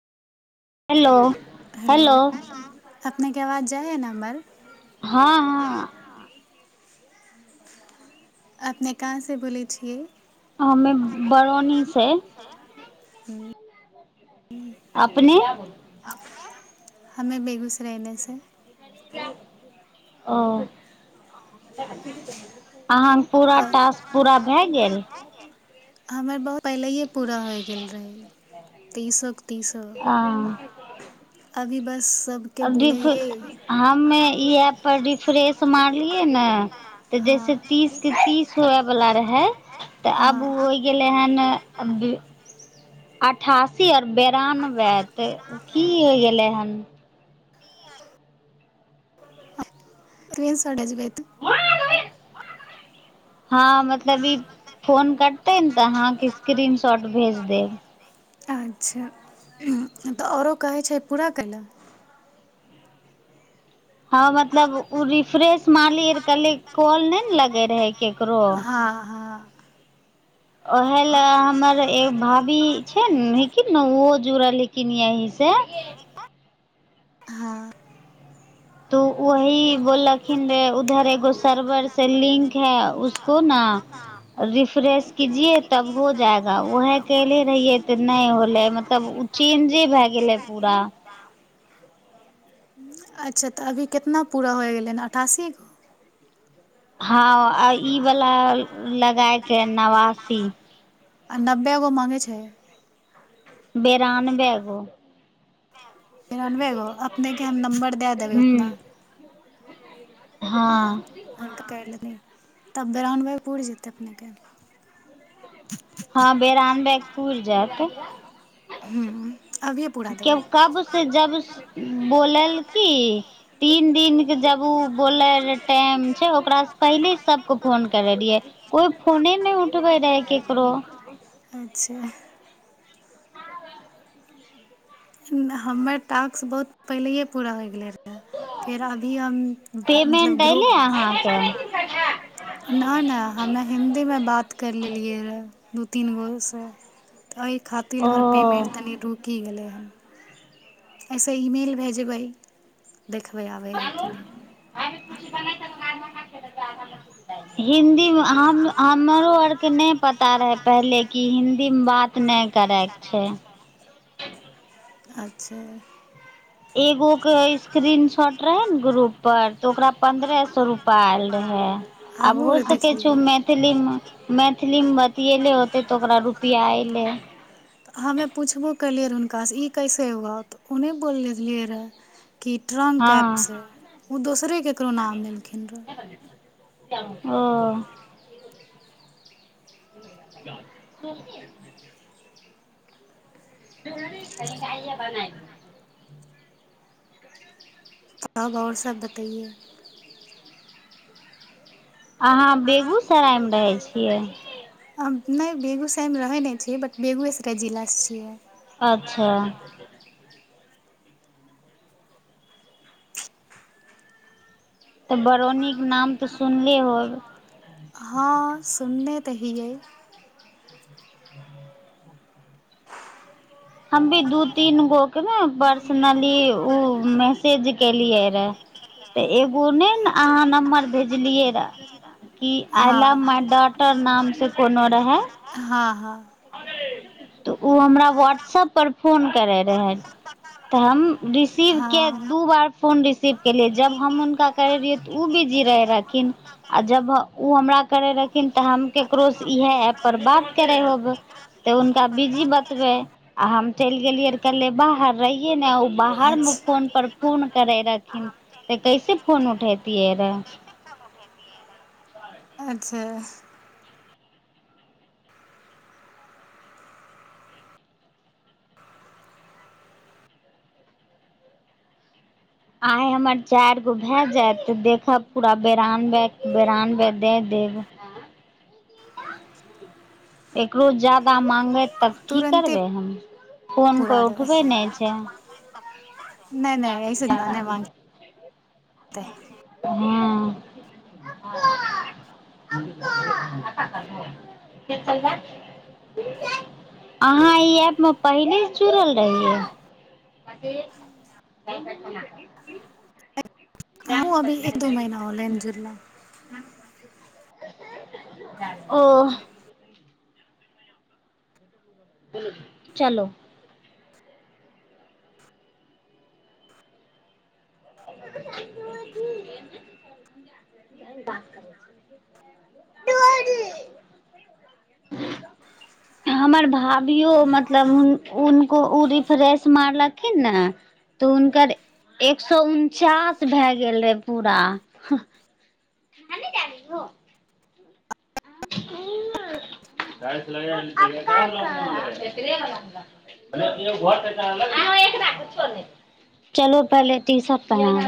hello hello अपने क आवाज जाय छ नमबर हँ हँ अपने कहाँसँ बोलै छियै हमे बरौनी से ह्म अपने हमे बेगूसरायने से ओ अहाँ पूरा पर टास्क पूरा भए गेल हमर बहु पहिलए पूरा होइ गेल रहै तऽ ईसभ अी बस सभके अ बोलै र हियै हमे ई प पर रिफ्रेश मारलिय क ने तऽ हँ जैसे तीस के तीस होए वला रहै तऽ आब ओ हँ होइ गेलै हन अठासी आओर बेरानबे तऽ की हो गेलै हन तन सा जै आ हँ मतलब ई फोन कटते ने तऽ अहाँके स्क्रीन शॉट भेज देब तऽ अच्छा तऽ आओरो कहै छै पूरा कय ल हँ मतलब ओ रिफ्रेश मालिय कहलै कल नहि ने लगे रहै केकरो हँ हँ उहे लए हमर एो भाभी छै ने हेकिन ने ओहो जुड़ल हेकिन यहीसँ हँ तो वही बोललखिन रे उधर एगो सर्वर से लिंक है उसको ने रिफ्रेश कीजिये तब हो जाएगा वहे कले रहिये तऽ नहि होले मतलब ओ चेंजे भए गेले पूरा अच्छा तऽ अभी कतना पूरा होइ गेलै हन अठासी गो हँ आ ई वला लगाायके ह नवासी आ नब्बे गो माङगै छै बेरनबैगो तरानबे गो अपनेकेँ हम नम्बर दए देबै हूँ उतना आ हँ मुनक पलेद तब बे रानबेपुर जेतै अपनेके हँ बेेर आन ब पुर जायत हूँ अभिये पूरा क देबै कब जब बोलल की तीन दिनके जब ओ बोलल रह टाइम छै ओकरासँ पहिले सबके फोन करै रहियै कोई फोने नहि उठबै रहै केकरो अच्छा हमर टास्क बहुत पहिलये पूरा होइ गेले रहै फेर अभी हम मतलब पेमेंट गु अयलै अहाँके नहि नहि हमे हिन्दीमे बात कर लेलियै रह तीन बजसँ तऽ एहि खातिर ओ हमर पेमेन्ट तनि रुकि गेलै हन एहिसँ ईमेल भेजबै देखबै आबै हइ कि हिदीमे हम हमरो आरके नहि पता रहै पहिले कि हिन्दीमे बात नहि करयके छै अच्छा एगो के स्क्रीन शॉट रहे ने ग्रुप पर तऽ ओकरा पंन्द्रह सए रूपा आयल रहे आब हमहूँ हो आर सकै छै देखलियै मैथिली मे मैथिली मे तिएले होते तऽ ओकरा रुपैआ एऐले तऽ हमे पुछबो केलियै रहए हुनकासँ ई कइसे हौ तऽ ओन्ने बोल लेलियै रहए कि ट्रंक हँ ऐपसँ ओ दोसरे ककरो नाम लेलखिन रहए ओ [unintelligible] कनी कइ य बना [unintelligible] अहाँ बेगूसरायमे रहै छियै हम नहि बेगूसरायमे रहै नहि छ बट बेगुएसराय जिलासँ छियै अच्छा अच्छा तऽ बरौनीक के नाम तऽ सुनले होब हँ सुनने तहिययै भ हम भी दू तीन गो के ने पर्सनली ओ मैसेज केलियै रहए तऽ एगो नहि ने अहाँ नम्बर भेजलियै रह की हँ अल्म डो टर नाम से कोनो रहै हँ हँ तऽ ओ हमरा व्हाट्सप पर फोन करै रहै तऽ हम रिसीव के हँ दू बार फोन रिसीव केलियै जब हम हुनका करै रहियै तऽ ओ बिजी रहै रहथिन आओर जब ओ हमरा करै रहथिन तऽ हम ककरोसँ इएह ऐपपर बात करै होब तऽ हुनका बिजी बतबै आ हम चलि गेलियै र कल्े बाहर रहियै ने ओ बाहरमे अच्छा फोन परर फोन करै रहथिन तऽ कैसे फोन उठेैतियै रहऽ अच्छा आइ हमर चारि गो भए जायत तऽ देखब पूरा बेरानबे बेरानबे दए देब एकरो जाददा मांगे तब की तुरन्ते करबै हम फोन पूरा कोइ देबै उठबै नहि छै तऽ हँ अहाँ ई ऐपमे पहिनेसँ जुड़ल रहियै हँ अभी एक दो महीना हो लेंझुलला ओ चलो हमर भाभियो मतलबो रिफ्रेश मारलखिन ने तऽ हुनकर एक सए उनचास भए गेल रहे पूरा ननटा नीो चल पले ती सब प